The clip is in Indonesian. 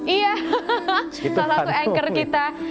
iya salah satu anchor kita